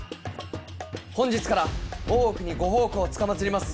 本日から大奥にご奉公つかまつります